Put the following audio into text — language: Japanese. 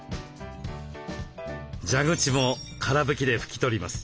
蛇口もから拭きで拭き取ります。